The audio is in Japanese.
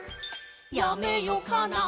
「やめよかな」